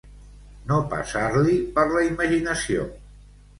No passar-li per la imaginació.